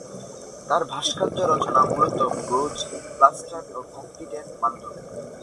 তার ভাস্কর্য রচনা মূলতঃ ব্রোঞ্জ, প্লাস্টার ও কংক্রিটের মাধ্যমে।